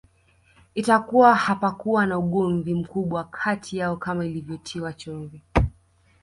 Itakuwa hapakuwa na ugomvi mkubwa kati yao kama ilivyotiwa chumvi